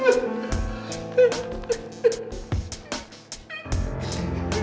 mas aku mau pergi